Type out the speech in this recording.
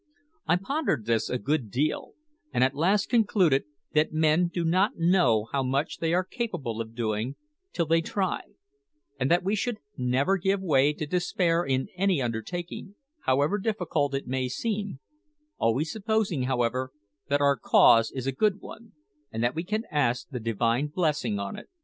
I pondered this a good deal, and at last concluded that men do not know how much they are capable of doing till they try, and that we should never give way to despair in any undertaking, however difficult it may seem always supposing, however, that our cause is a good one, and that we can ask the Divine blessing on it.